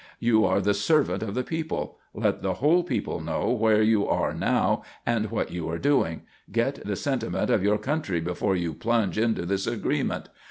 You are the servant of the people. Let the whole people know where you are now and what you are doing. Get the sentiment of your country before you plunge into this agreement.